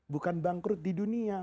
bukan bangkrut di dunia